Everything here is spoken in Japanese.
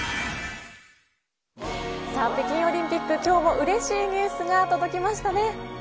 北京オリンピック今日もうれしいニュースが届きました。